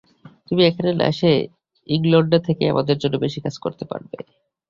তুমি এখানে না এসে ইংলণ্ডে থেকেই আমাদের জন্য বেশী কাজ করতে পারবে।